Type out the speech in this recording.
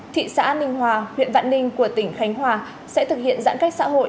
thị xã ninh hòa huyện vạn ninh của tỉnh khánh hòa sẽ thực hiện giãn cách xã hội